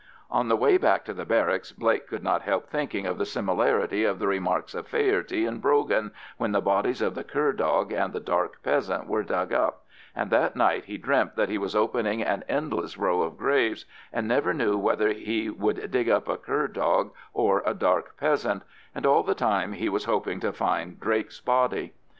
On the way back to the barracks Blake could not help thinking of the similarity of the remarks of Faherty and Brogan when the bodies of the cur dog and the dark peasant were dug up, and that night he dreamt that he was opening an endless row of graves, and never knew whether he would dig up a cur dog or a dark peasant, and all the time he was hoping to find Drake's body.